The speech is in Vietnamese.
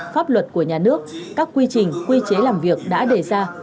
pháp luật của nhà nước các quy trình quy chế làm việc đã đề ra